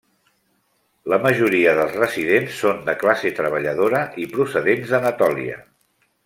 La majoria dels residents són de classe treballadora i procedents d'Anatòlia.